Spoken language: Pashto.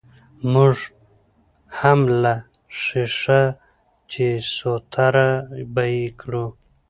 موږ هم لکه ښيښه، چې سوتره به يې کړو.